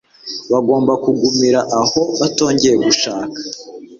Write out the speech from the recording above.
bagomba kugumira aho batongeye gushaka